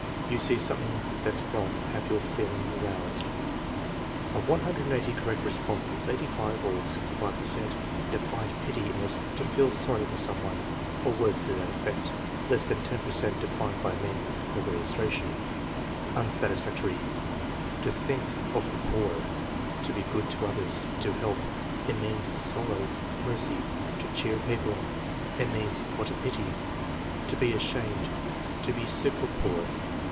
"You see something that's wrong and have your feel ing aroused." Of 130 correct responses, 85, or 65 per cent, defined pity as "to feel sorry for some one," or words to that effect. Less than 10 per cent defined by means of illustration. Unsatisfactory. " To think of the poor." " To be good to others." "To help." "It means sorrow." "Mercy." "To cheer people up." "It means 'What a pity!'" "To be ashamed." "To be sick or poor."